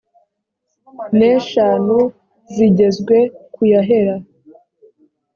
n eshanu zigezwe ku y ahera